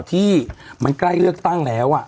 ที่มันใกล้เลือกตั้งแล้ว